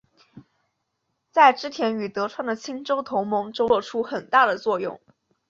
在织田与德川的清洲同盟中作出很大的作用。